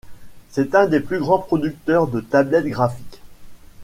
C'est un des plus grands producteurs de tablettes graphiques.